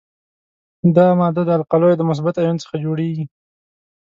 دا ماده د القلیو د مثبت آیون څخه جوړیږي.